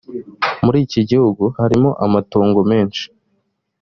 muri iki gihugu harimo amatongo menshi